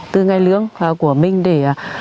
từ ngày lưỡng của mình để